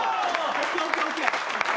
ＯＫＯＫＯＫ。